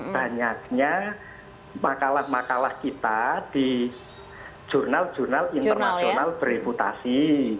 banyaknya makalah makalah kita di jurnal jurnal internasional bereputasi